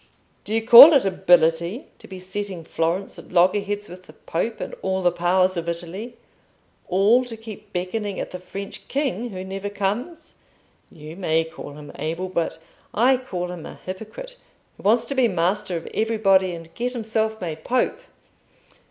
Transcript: "Do you call it ability to be setting Florence at loggerheads with the Pope and all the powers of Italy—all to keep beckoning at the French king who never comes? You may call him able, but I call him a hypocrite, who wants to be master of everybody, and get himself made Pope."